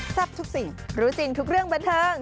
ทรัพย์ทุกสิ่งรู้สินทุกเรื่องบันเทิง